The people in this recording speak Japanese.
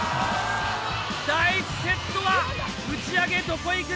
第１セットは打上げどこいく？